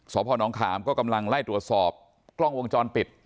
สพนขามก็กำลังไล่ตรวจสอบกล้องวงจรปิด